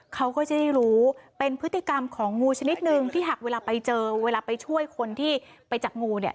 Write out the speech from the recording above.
เขาก็จะได้รู้เป็นพฤติกรรมของงูชนิดนึงที่หากเวลาไปเจอเวลาไปช่วยคนที่ไปจับงูเนี่ย